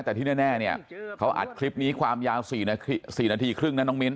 แต่ที่แน่เนี่ยเขาอัดคลิปนี้ความยาว๔นาทีครึ่งนะน้องมิ้น